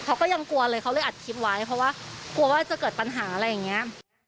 เขาก็ยังกลัวเลยเขาเลยอัดคลิปไว้เพราะว่ากลัวว่าจะเกิดปัญหาอะไรอย่างนี้